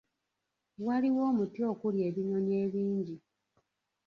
Waliwo omuti okuli ebinyonyi ebingi.